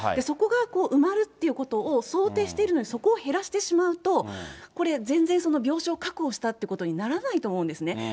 そこが埋まるっていうことを想定しているのにそこを減らしてしまうと、これ、全然、その病床確保したっていうことにならないと思うんですね。